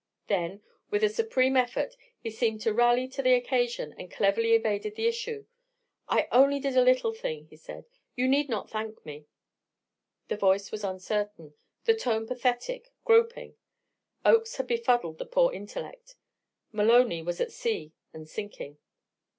Then with a supreme effort he seemed to rally to the occasion, and cleverly evaded the issue. "I only did a little thing," he said, "you need not thank me." The voice was uncertain; the tone pathetic, groping. Oakes had befuddled the poor intellect. Maloney was at sea and sinking.